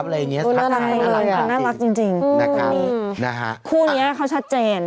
อะไรอย่างเงี้ยสักครั้งน่ารักน่ารักจริงนะครับคู่นี้เขาชัดเจน